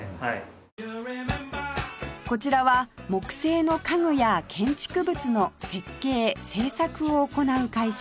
こちらは木製の家具や建築物の設計製作を行う会社